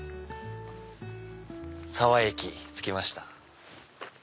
沢井駅着きました。